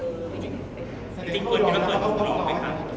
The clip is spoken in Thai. จริงคุณยังคุยกันอยู่ในไลน์ไหมคะอะไรนะ